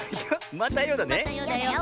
また「よ」だよ。